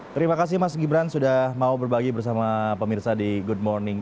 terima kasih mas gibran sudah mau berbagi bersama pemirsa di good morning